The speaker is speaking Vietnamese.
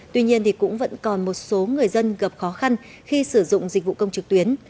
tuy nhiên thì cũng vẫn còn một số người dân gặp khó khăn khi sử dụng dịch vụ công trực tuyến